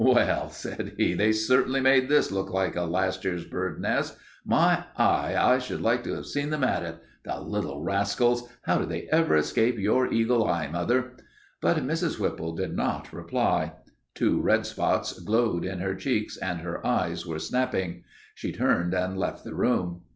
"Well," said he, "they certainly made this look like a last year's bird's nest. My eye! I should like to have seen them at it. The little rascals! How did they ever escape your eagle eye, mother?" But Mrs. Whipple did not reply. Two red spots glowed in her cheeks and her eyes were snapping. She turned and left the room.